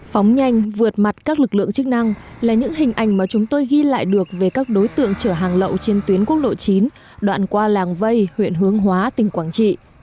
phóng nhanh vượt mặt các lực lượng chức năng là những hình ảnh mà chúng tôi ghi lại được về các đối tượng chở hàng lậu trên tuyến quốc lộ chín đoạn qua làng vây huyện hướng hóa tỉnh quảng trị